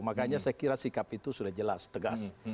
makanya saya kira sikap itu sudah jelas tegas